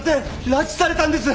拉致されたんです！